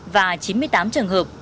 và chín mươi tám trường hợp